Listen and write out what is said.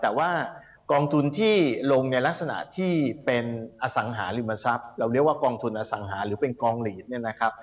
แต่ว่ากองทุนที่ลงในลักษณะที่เป็นอสังหาริมทรัพย์เราเรียกว่ากองทุนอสังหาหรือเป็นกองหลีดเนี่ยนะครับ